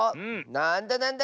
「なんだなんだ」